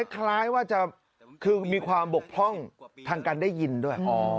คล้ายว่าจะคือมีความบกพร่องทางการได้ยินด้วย